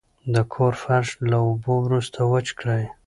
د کور فرش له اوبو وروسته وچ کړئ.